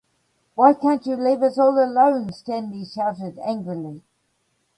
"Why can't you leave us all alone!?", Stanley shouted angrily.